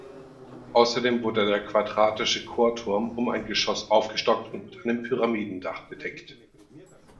Außerdem wurde der quadratische Chorturm um ein Geschoss aufgestockt und mit einem Pyramidendach bedeckt.